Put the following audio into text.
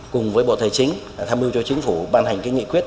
cùng với bộ tài chính tham mưu cho chính phủ ban hành cái nghị quyết